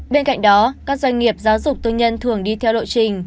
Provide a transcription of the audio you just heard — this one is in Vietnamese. bên cạnh đó các doanh nghiệp giáo dục tư nhân thường đi theo lộ trình